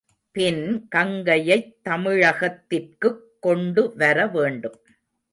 பின் கங்கையைத் தமிழகத்திற்குக் கொண்டு வர வேண்டும்.